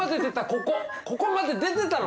ここここまで出てたの！